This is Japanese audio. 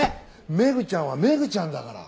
メグちゃんはメグちゃんだから。